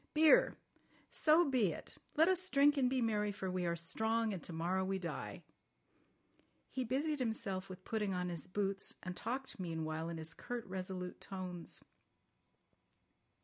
"Beer! So be it! Let us drink and be merry, for we are strong, and to morrow we die." He busied himself with putting on his boots, and talked meanwhile in his curt, resolute tones.